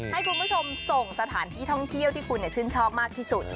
ให้คุณผู้ชมส่งสถานที่ท่องเที่ยวที่คุณชื่นชอบมากที่สุด